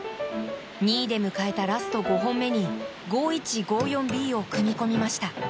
２位で迎えたラスト５本目に５１５４Ｂを組み込みました。